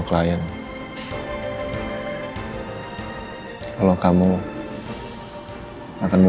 saya tahu sangat jatoh girer